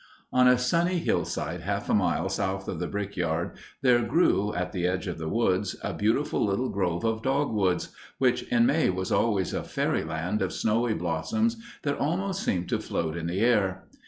On a sunny hillside half a mile south of the brickyard there grew, at the edge of the woods, a beautiful little grove of dogwoods, which in May was always a fairyland of snowy blossoms that almost seemed to float in the air.